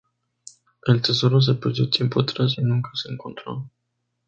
El tesoro se perdió tiempo atrás y nunca se encontró.